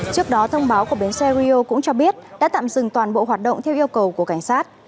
trước đó thông báo của bến xe rio cũng cho biết đã tạm dừng toàn bộ hoạt động theo yêu cầu của cảnh sát